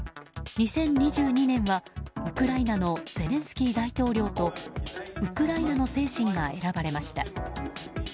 ２０２２年は、ウクライナのゼレンスキー大統領とウクライナの精神が選ばれました。